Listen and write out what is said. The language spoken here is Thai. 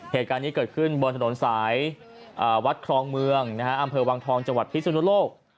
เหตุการณ์นี้เกิดขึ้นบนถนนสายวัดครองเมืองอำเภอวังทองจังหวัดพิสุนุโลก